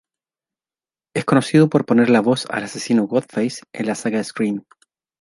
Es conocido por poner la voz al asesino Ghostface en la saga Scream.